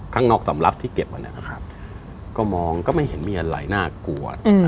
ข้างนอกสำหรับที่เก็บมานะครับก็มองก็ไม่เห็นมีอะไรน่ากลัว